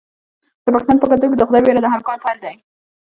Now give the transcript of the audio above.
د پښتنو په کلتور کې د خدای ویره د هر کار پیل دی.